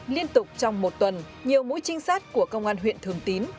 liên tục trong một tuần nhiều mũi trinh sát của công an huyện thường tín